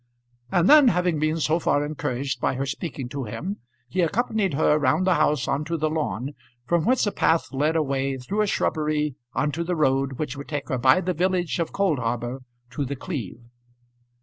And then, having been so far encouraged by her speaking to him, he accompanied her round the house on to the lawn, from whence a path led away through a shrubbery on to the road which would take her by the village of Coldharbour to The Cleeve.